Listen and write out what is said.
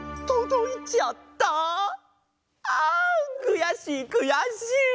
あんくやしいくやしい！